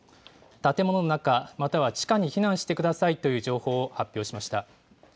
建物の中、または地下に避難してくださいという情報を発表しました。